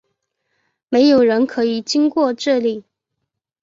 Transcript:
没有人可以经过这里！